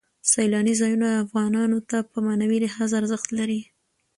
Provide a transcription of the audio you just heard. سیلاني ځایونه افغانانو ته په معنوي لحاظ ارزښت لري.